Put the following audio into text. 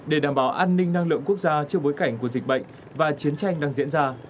để đảm bảo an ninh năng lượng quốc gia trước bối cảnh của dịch bệnh và chiến tranh đang diễn ra